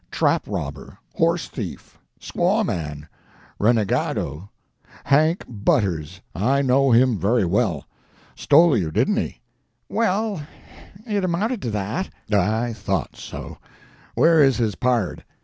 Trap robber, horse thief, squaw man, renegado—Hank Butters—I know him very well. Stole you, didn't he?" "Well, it amounted to that." "I thought so. Where is his pard?"